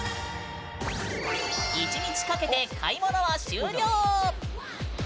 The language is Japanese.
１日かけて買い物は終了！